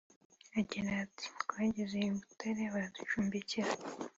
Agira ati “twageze i Butare baraducumbikira